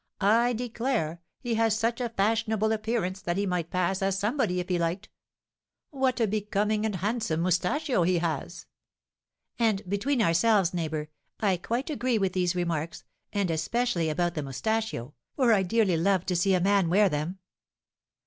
I declare, he has such a fashionable appearance that he might pass as somebody if he liked; what a becoming and handsome moustachio he has!' And between ourselves, neighbour, I quite agree with these remarks, and especially about the moustachio, for I dearly love to see a man wear them.